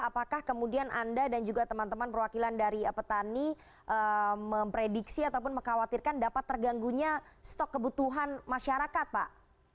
apakah kemudian anda dan juga teman teman perwakilan dari petani memprediksi ataupun mengkhawatirkan dapat terganggunya stok kebutuhan masyarakat pak